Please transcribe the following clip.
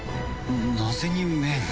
なぜに麺？